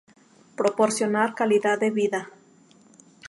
Proporcionar calidad de vida.